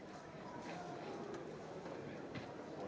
ketika terwei ketua dilakukan